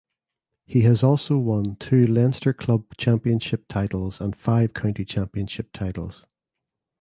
He has also won two Leinster Club Championship titles and five County Championship titles.